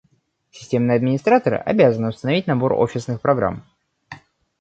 Системные администраторы обязаны установить набор офисных программ